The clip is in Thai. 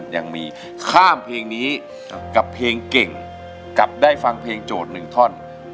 ยังมีข้ามเพลงนี้กับเพลงเก่งกลับได้ฟังเพลงโจทย์หนึ่งท่อน